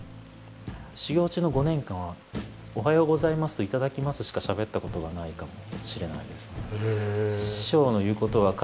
修行中の５年間は「おはようございます」と「いただきます」しかしゃべったことがないかもしれないですね。